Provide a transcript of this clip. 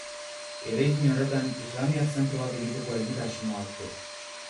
Eraikin horretan islamiar zentro bat egiteko egitasmoa dute.